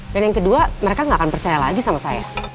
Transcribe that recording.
dan yang kedua mereka gak akan percaya lagi sama saya